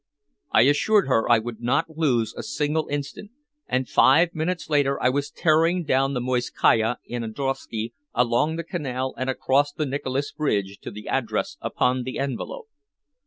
I assured her I would not lose a single instant, and five minutes later I was tearing down the Morskaya in a drosky along the canal and across the Nicholas Bridge to the address upon the envelope.